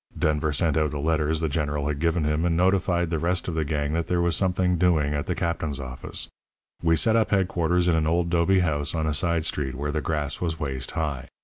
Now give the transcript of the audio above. Denver sent out the letters the General had given him, and notified the rest of the gang that there was something doing at the captain's office. We set up headquarters in an old 'dobe house on a side street where the grass was waist high.